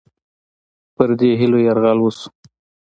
په دې هیلو یرغل وشو.